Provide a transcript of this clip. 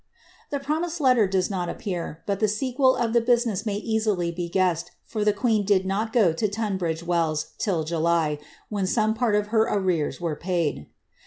''* e promised letter does not appear, but the sequel of the basinesn *9Liii\y be guessed, for the queen did not go to Tunbridge Wells till 'when some part of her arrears were paid.